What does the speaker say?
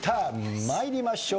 参りましょう。